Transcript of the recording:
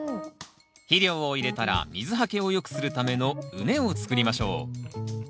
肥料を入れたら水はけを良くするための畝を作りましょう。